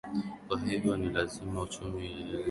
kwa hiyo ni lazima uchumi ireland ufanikiwe